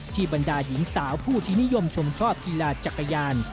บรรดาหญิงสาวผู้ที่นิยมชมชอบกีฬาจักรยาน